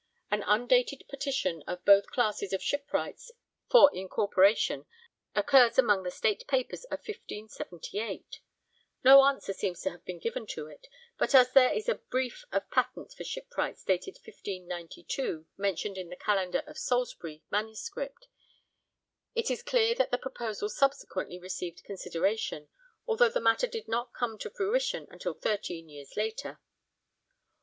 An undated petition of both classes of shipwrights for incorporation occurs among the State Papers of 1578. No answer seems to have been given to it, but as there is a 'brief' of a patent for shipwrights dated 1592 mentioned in the calendar of Salisbury MSS., it is clear that the proposal subsequently received consideration, although the matter did not come to fruition until thirteen years later.